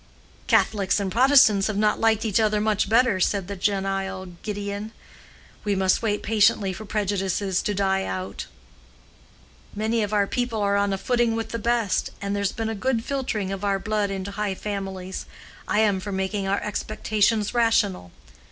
"Catholics and Protestants have not liked each other much better," said the genial Gideon. "We must wait patiently for prejudices to die out. Many of our people are on a footing with the best, and there's been a good filtering of our blood into high families. I am for making our expectations rational."